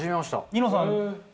ニノさんと。